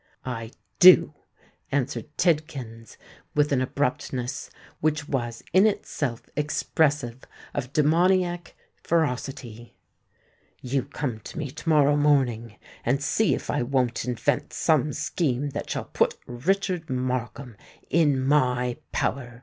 "I do," answered Tidkins, with an abruptness which was in itself expressive of demoniac ferocity. 'You come to me to morrow morning; and see if I won't invent some scheme that shall put Richard Markham in my power.